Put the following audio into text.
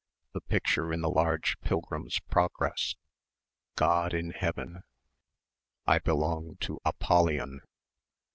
the picture in the large "Pilgrim's Progress." ... God in heaven.... I belong to Apollyon